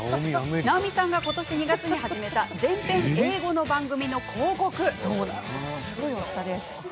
直美さんが今年２月に始めた全編英語の番組の広告です。